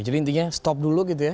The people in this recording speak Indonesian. jadi intinya stop dulu gitu ya